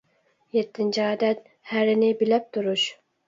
يەتتىنچى ئادەت، ھەرىنى بىلەپ تۇرۇش.